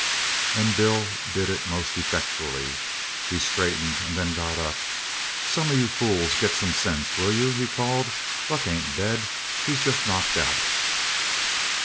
And Bill did it most effectually. He straightened, and then got up. "Some of you fools get some sense, will you?" he called. "Buck ain't dead; he's just knocked out!"